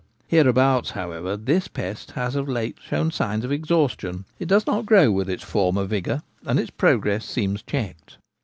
Hereabouts, however, this pest 88 TJie Gamekeeper at Home. has of late shown signs of exhaustion — it does not grow with its former vigour, and its progress seems checked.